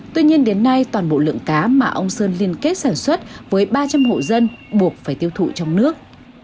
tuy nhiên đến nay toàn bộ lượng cá mà ông sơn liên kết sản xuất với ba trăm linh hộ dân buộc phải tiêu thụ trong nước